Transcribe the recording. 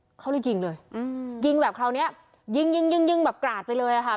เฮ้ยเขาเลยยิงเลยยิงแบบคราวนี้ยิงกราดไปเลยครับ